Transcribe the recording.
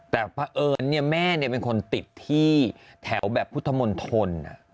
แต่พอเอิญเนี่ยแม่เนี่ยเป็นคนติดที่แถวแบบพุทธมณฑล